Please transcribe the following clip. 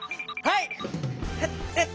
はい！